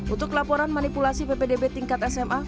untuk laporan manipulasi ppdb tingkat sma